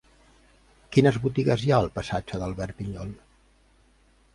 Quines botigues hi ha al passatge d'Albert Pinyol?